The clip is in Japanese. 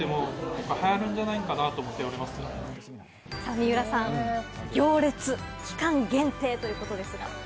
水卜さん、行列、期間限定ということですが。